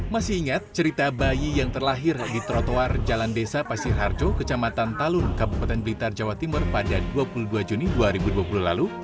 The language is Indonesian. masih ingat cerita bayi yang terlahir di trotoar jalan desa pasir harjo kecamatan talun kabupaten blitar jawa timur pada dua puluh dua juni dua ribu dua puluh lalu